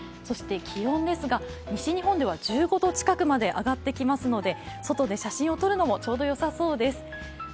そして気温ですが、西日本では１５度近くまで上がってきますので外で写真を撮るのもちょうどよさそうです。